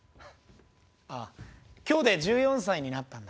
ああ今日で１４歳になったんだ。